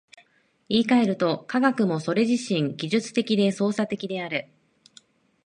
言い換えると、科学もそれ自身技術的で操作的である。